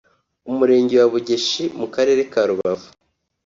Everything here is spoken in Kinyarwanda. Umurenge wa Bugeshi mu Karere ka Rubavu